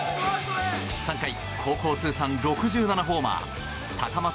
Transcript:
３回、高校通算６７ホーマー高松